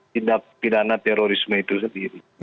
tindak pidana terorisme itu sendiri